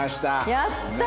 やった。